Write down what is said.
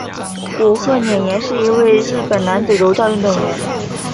古贺稔彦是一名日本男子柔道运动员。